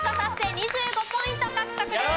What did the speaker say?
２５ポイント獲得です。